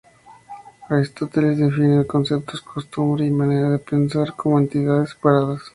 Aristóteles define los conceptos "costumbre" y "manera de pensar" como entidades separadas.